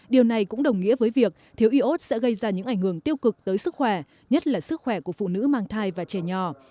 điều này cũng đồng nghĩa với việc thiếu iốt sẽ gây ra những ảnh hưởng tiêu cực tới sức khỏe nhất là sức khỏe của phụ nữ mang thai và trẻ nhỏ